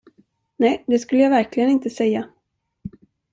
Nej, det skulle jag verkligen inte säga!